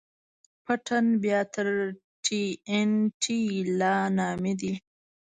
پټن بيا تر ټي ان ټي لا نامي دي.